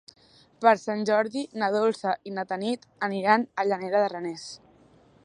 Per Sant Jordi na Dolça i na Tanit aniran a Llanera de Ranes.